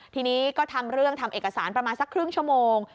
ทีนี้ก็ทำเรื่องทำเอกสารประมาณสักครึ่งชั่วโมง